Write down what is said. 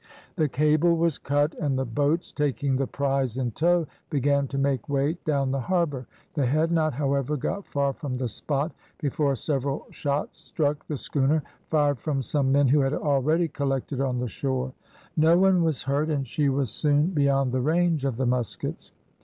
The cable was cut, and the boats, taking the prize in tow, began to make way down the harbour. They had not, however, got far from the spot, before several shots struck the schooner, fired from some men who had already collected on the shore. No one was hurt, and she was soon beyond the range of the muskets.